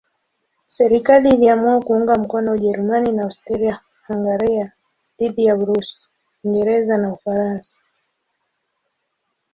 Serikali iliamua kuunga mkono Ujerumani na Austria-Hungaria dhidi ya Urusi, Uingereza na Ufaransa.